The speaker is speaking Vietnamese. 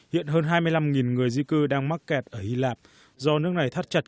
hiện hơn hai mươi năm người di cư đang mắc kẹt ở hy lạp do nước này thắt chặt